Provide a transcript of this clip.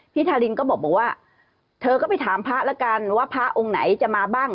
ทารินก็บอกว่าเธอก็ไปถามพระแล้วกันว่าพระองค์ไหนจะมาบ้าง